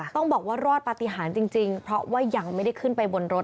ต้องบอกว่ารอดปฏิหารจริงเพราะว่ายังไม่ได้ขึ้นไปบนรถ